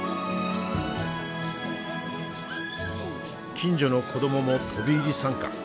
近所の子どもも飛び入り参加。